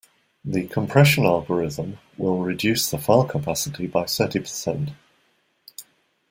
The compression algorithm will reduce the file capacity by thirty percent.